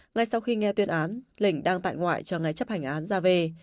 ngay sau khi nghe tuyên án lịnh đang tại ngoại cho ngày chấp hành án ra về